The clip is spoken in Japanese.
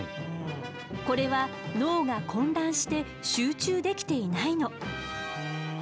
これは脳が混乱して集中できていないの。